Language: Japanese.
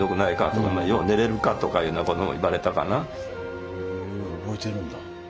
へ覚えてるんだ。